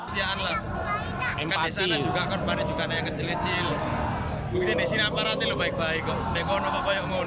siang empati juga